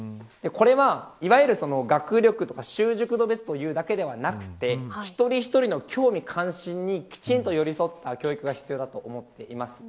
いわゆる学力や習熟度別だけではなく一人一人の興味、関心にきちんと寄り添う教育が必要だと思います。